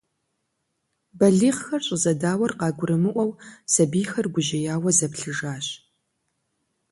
Балигъхэр щӏызэдауэр къагурымыӏуэу, сэбийхэр гужьеяуэ заплъыжащ.